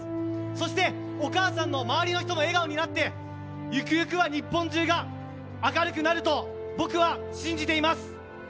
そして、お母さんの周りの人も笑顔になってゆくゆくは日本中が明るくなると僕は信じています。